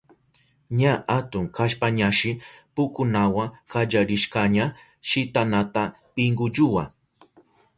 Ña atun kashpañashi pukunawa kallarishkaña shitanata pinkulluwa.